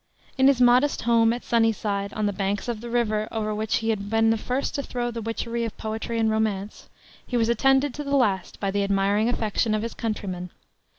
In his modest home at Sunnyside, on the banks of the river over which he had been the first to throw the witchery of poetry and romance, he was attended to the last by the admiring affection of his countrymen.